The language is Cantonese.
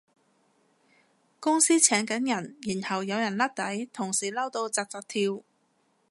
公司請緊人然後有人甩底，同事嬲到紮紮跳